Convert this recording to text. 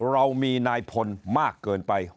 เรามีนายพลมากเกินไป